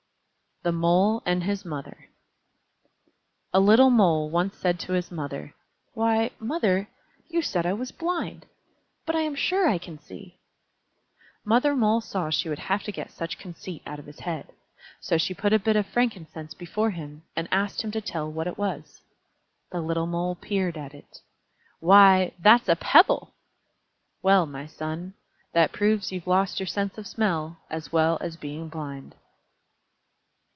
_ THE MOLE AND HIS MOTHER A little Mole once said to his Mother: "Why, Mother, you said I was blind! But I am sure I can see!" Mother Mole saw she would have to get such conceit out of his head. So she put a bit of frankincense before him and asked him to tell what it was. The little Mole peered at it. "Why, that's a pebble!" "Well, my son, that proves you've lost your sense of smell as well as being blind."